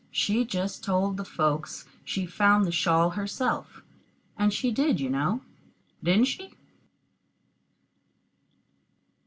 She just told the folks she found the shawl herself, and she did, you know didn't she?